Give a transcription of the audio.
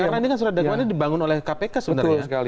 karena ini kan celah dakwaan dibangun oleh kpk sebenarnya